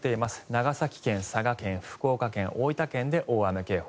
長崎県、佐賀県、福岡県大分県で大雨警報。